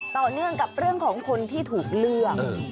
ต่อเนื่องกับเรื่องของคนที่ถูกเลือก